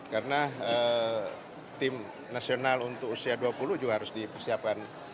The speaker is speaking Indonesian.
karena tim nasional untuk usia dua puluh tujuh harus dipersiapkan